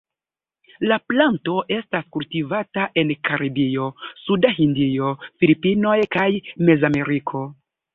La planto estas kultivata en Karibio suda Hindio, Filipinoj kaj Mezameriko.